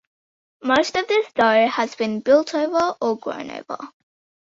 Most of this though has been built over or grown over.